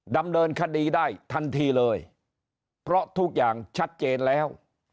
ดำเนินคดีได้ทันทีเลยเพราะทุกอย่างชัดเจนแล้ว